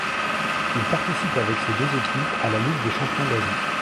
Il participe avec ces deux équipes à la Ligue des champions d'Asie.